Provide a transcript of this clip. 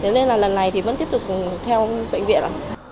thế nên là lần này thì vẫn tiếp tục theo bệnh viện ạ